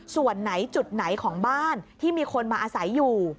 ส่วนไหนจุดไหนของบ้านที่มีคนมาอาศัยอยู่